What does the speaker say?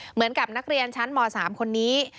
เหมือนกับนักเรียนชั้นม๓คนนี้